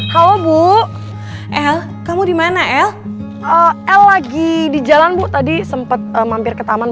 halo bu el kamu dimana l lagi di jalan bu tadi sempat mampir ke taman